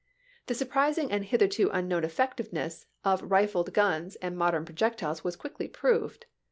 The surprising and hitherto unknown effectiveness of rifled guns and modern projectiles was quickly proved.